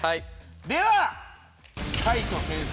では。